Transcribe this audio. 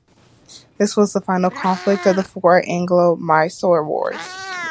This was the final conflict of the four Anglo-Mysore Wars.